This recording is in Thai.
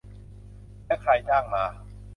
และใครจ้างมา